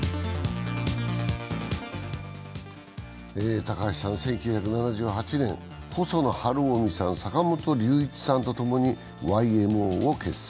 高橋さんは１９７８年、細野晴臣さん、坂本龍一さんと共に、ＹＭＯを結成。